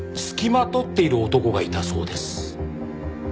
付きまとっている男がいたそうです。